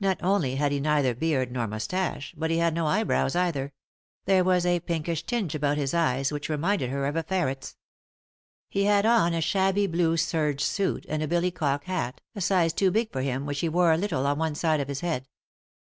Not only had he neither beard nor moustache, but he had no eyebrows either ; there was a pinkish tinge about his eyes which reminded her of a ferret's. He had on a shabby blue serge suit, and a billy cock hat, a size too big for him, which he wore a little on one side of his head.